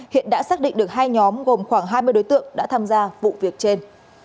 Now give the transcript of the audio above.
hiện đã xác định được hai nhóm gồm khoảng hai mươi đối tượng đã tham gia vụ việc trên